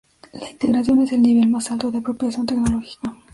La integración es el nivel más alto de apropiación tecnológica.